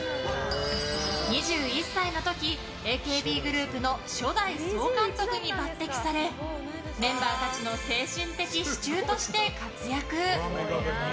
２１歳の時、ＡＫＢグループの初代総監督に抜擢されメンバーたちの精神的支柱として活躍。